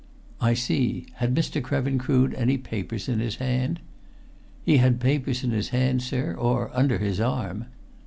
"I see! Had Mr. Krevin Crood any papers in his hand?" "He had papers in his hand, sir, or under his arm."